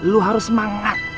lu harus semangat